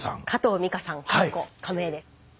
加藤美香さんで。